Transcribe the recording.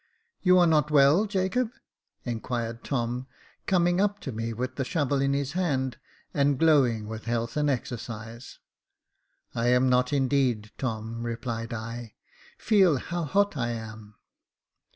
" You are not well, Jacob ?" inquired Tom, coming up to me with the shovel in his hand, and glowing with health and exercise. "I am not indeed, Tom," replied I; "feel how hot I am.